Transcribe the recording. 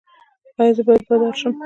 ایا زه باید بادار شم؟